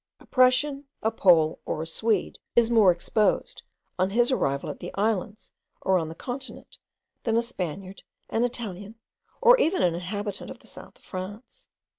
A Prussian, a Pole, or a Swede, is more exposed on his arrival at the islands or on the continent, than a Spaniard, an Italian, or even an inhabitant of the South of France.